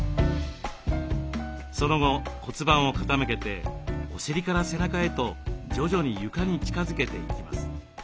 その後骨盤を傾けてお尻から背中へと徐々に床に近づけていきます。